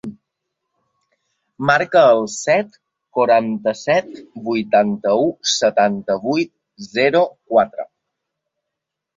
Marca el set, quaranta-set, vuitanta-u, setanta-vuit, zero, quatre.